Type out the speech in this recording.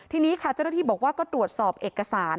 ทีนี้ค่ะเจ้าหน้าที่บอกว่าก็ตรวจสอบเอกสาร